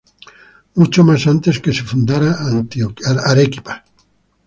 Mucho más antes que se fundara Arequipa.